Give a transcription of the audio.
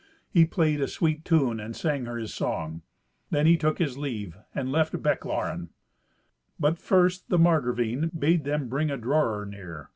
He played a sweet tune and sang her his song. Then he took his leave and left Bechlaren. But first the Margravine bade them bring a drawer near.